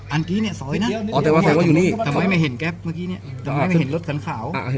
อันตรีเนี่ยสอยนะอ๋อแต่ว่าแสดงว่าอยู่นี่ทำไมไม่เห็นแก๊บเมื่อกี้เนี่ย